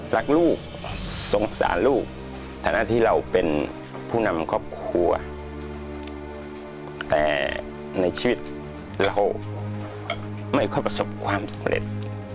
รักลูกสงสารลูกฐานะที่เราเป็นผู้นำครอบครัวแต่ในชีวิตเราไม่ค่อยประสบความสำเร็จ